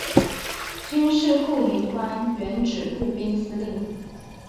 军事护民官原指步兵司令。